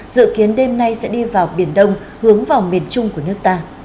dự kiến đêm nay sẽ đi vào biển đông hướng vào miền trung của nước ta